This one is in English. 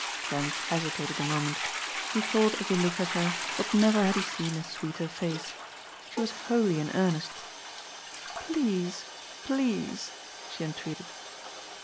Trent hesitated a moment. He thought, as he looked at her, that never had he seen a sweeter face. She was wholly in earnest. "Please, please," she entreated.